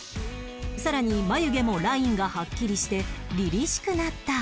さらに眉毛もラインがはっきりしてりりしくなった